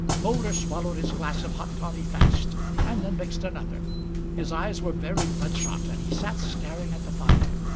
Moulder swallowed his glass of hot toddy fast, and then mixed another. His eyes were very bloodshot, and he sat staring at the fire.